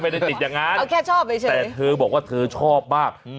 ไม่ได้ติดอย่างงั้นเอาแค่ชอบไปเฉยแต่เธอบอกว่าเธอชอบมากอืม